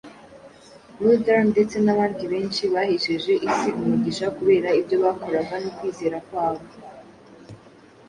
Luther ndetse n’abandi benshi bahesheje isi umugisha kubera ibyo bakoraga no kwizera kwabo,